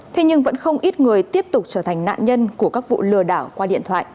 thế nhưng vẫn không ít người tiếp tục trở thành nạn nhân của các vụ lừa đảo qua điện thoại